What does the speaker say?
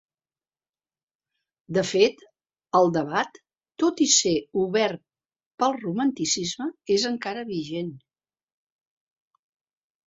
De fet, el debat, tot i ser obert pel romanticisme, és encara vigent.